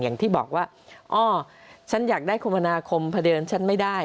อย่างที่บอกว่าอ้อฉันอยากได้คมนาคมพระเดือนฉันไม่ได้